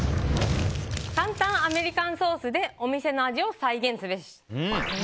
簡単アメリカンソースでお店の味を再現すべし。